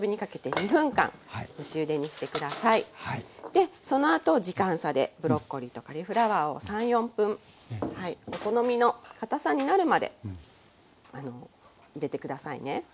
でそのあと時間差でブロッコリーとカリフラワーを３４分お好みのかたさになるまでゆでて下さいね。